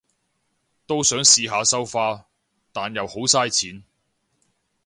都想試下收花，但又好晒錢